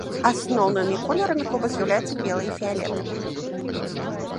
Асноўнымі колерамі клуба з'яўляюцца белы і фіялетавы.